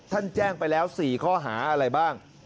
แจ้งไปแล้ว๔ข้อหาอะไรบ้าง